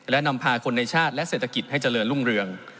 และนำพาคนในชาติและเศรษฐกิจให้เจริญรุ่งเรือง